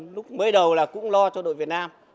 lúc mới đầu là cũng lo cho đội việt nam